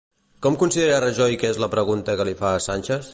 Com considera Rajoy que és la pregunta que li fa a Sánchez?